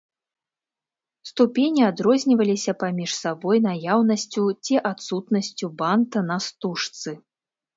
Ступені адрозніваліся паміж сабой наяўнасцю ці адсутнасцю банта на стужцы.